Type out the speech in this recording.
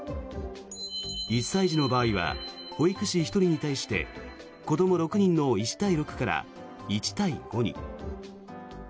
１歳児の場合は保育士１人に対して子ども６人の１対６から１対５に。